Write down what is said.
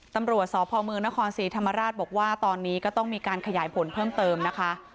ตำรวจสพเมืองนครศรีธรรมราชบอกว่าตอนนี้ก็ต้องมีการขยายผลเพิ่มเติมนะคะ